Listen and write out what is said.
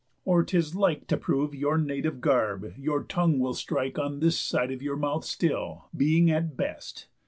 Or 'tis like To prove your native garb, your tongue will strike On this side of your mouth still, being at best.